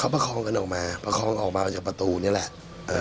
ประคองกันออกมาประคองออกมาจากประตูนี่แหละเอ่อ